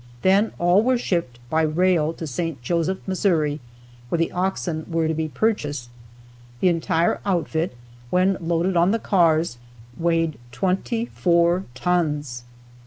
Then all were shipped by rail to St. Joseph, Mo., where the oxen were to be purchased. The entire outfit when loaded on the cars, weighed twenty four tons.